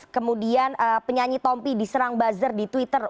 kemudian penyanyi tompi diserang buzzer di twitter